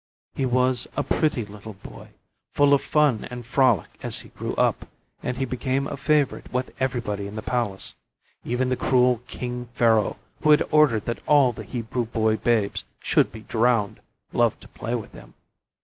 He was a pretty little boy, full of fun and frolic as he grew up, and he became a favorite with everybody in the palace. Even the cruel King Pharaoh, who had ordered that all the Hebrew boy babes should be drowned, loved to play with him.